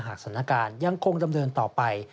หากสถานการณ์ยังคงดำเนินต่อไป